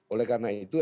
oleh karena itu